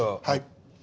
はい。